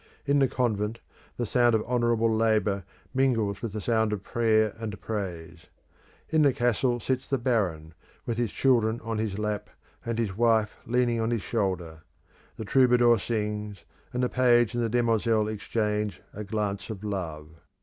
In the convent the sound of honourable labour mingles with the sound of prayer and praise. In the castle sits the baron with his children on his lap, and his wife, leaning on his shoulder: the troubadour sings, and the page and demoiselle exchange a glance of love.